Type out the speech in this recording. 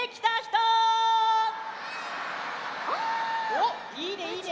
おっいいねいいね！